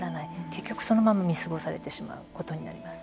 結局そのまま見過ごされてしまうことになります。